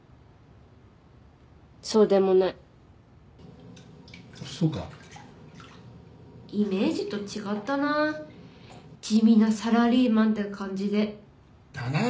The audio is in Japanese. そうでもないそうかイメージと違ったな地味なサラリーマンっていう感じでだな